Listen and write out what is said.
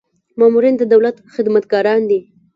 مامورین د دولت خدمتګاران دي